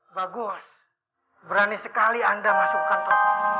bagus berani sekali anda masukkan toko